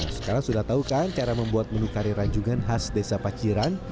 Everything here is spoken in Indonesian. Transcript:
sekarang sudah tahu kan cara membuat menu kari ranjungan khas desa paciran